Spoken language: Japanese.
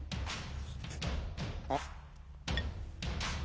あっ！